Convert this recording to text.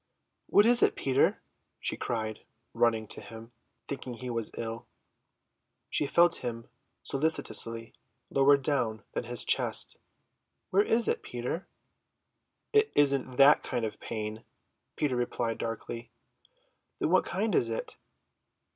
"What is it, Peter?" she cried, running to him, thinking he was ill. She felt him solicitously, lower down than his chest. "Where is it, Peter?" "It isn't that kind of pain," Peter replied darkly. "Then what kind is it?"